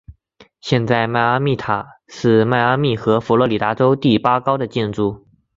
现在迈阿密塔是迈阿密和佛罗里达州第八高的建筑。